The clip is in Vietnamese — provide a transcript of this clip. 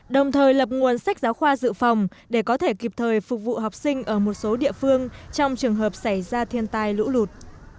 đồng thời lập nguồn sách giáo khoa dự phòng để có thể kịp thời phục vụ học sinh ở một số địa phương trong trường hợp xảy ra thiên tai lũ lụt